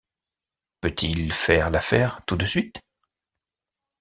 Peut-il faire l’affaire tout de suite ?